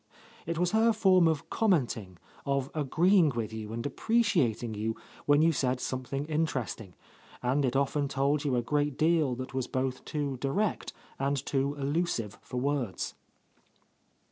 It was her form of commenting, of agreeing with you and appreciating you when you said something inter esting, — and it often told you a great deal that was both too direct and too elusive for words